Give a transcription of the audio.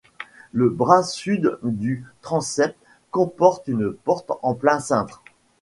Le bras sud du transept comporte une porte en plein cintre.